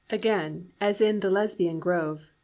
Again, as in the Lesbian grove.